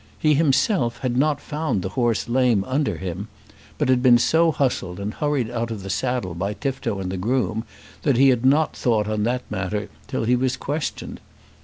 He himself had not found the horse lame under him, but had been so hustled and hurried out of the saddle by Tifto and the groom that he had not thought on that matter till he was questioned.